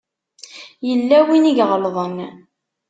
Yella win i iɣelḍen.